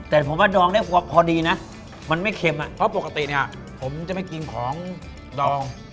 แต่ผมว่าดองได้พอดีนะมันไม่เค็มอ่ะเพราะปกติเนี่ยผมจะไม่กินของดอง